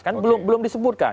kan belum disebutkan